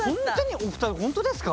お二人本当ですか？